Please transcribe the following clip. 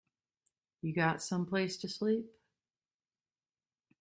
You got someplace to sleep?